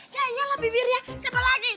ya iyalah bibirnya siapa lagi